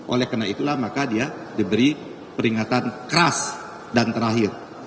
oleh karena itulah maka dia diberi peringatan keras dan terakhir